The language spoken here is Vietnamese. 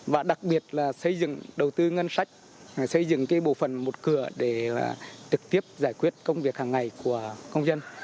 và đặc biệt là xây dựng đầu tư ngân sách xây dựng bộ phận một cửa để trực tiếp giải quyết công việc hàng ngày của công dân